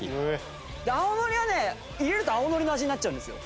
青のりはね入れると青のりの味になっちゃうんですよ。